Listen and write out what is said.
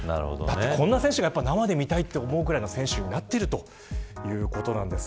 こんな選手が生で見たいと思うくらいの選手になっているということです。